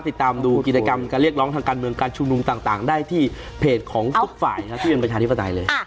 ติดตามดูกิจกรรมการเรียกร้องทางการเมืองการชุมนุมต่างได้ที่เพจของทุกฝ่ายที่เป็นประชาธิปไตยเลย